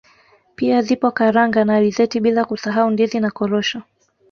Pia zipo karanga na alizeti bila kusahau ndizi na korosho